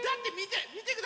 みてください！